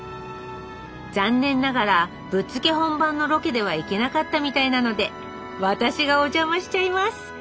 残念ながらぶっつけ本番のロケでは行けなかったみたいなので私がお邪魔しちゃいます。